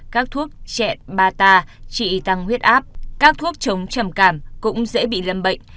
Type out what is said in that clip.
các thuốc chẹn bata trị tăng huyết áp các thuốc chống trầm cảm cũng dễ bị lâm bệnh